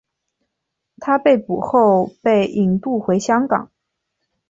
他被捕后被引渡回香港。